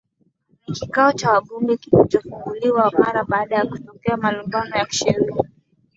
ni kikao cha wabunge kinacho kufunguliwa mara baada ya kutokea malumbano ya kisheria